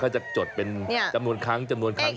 เขาจะจดเป็นจำนวนคั้นจำนวนขั้น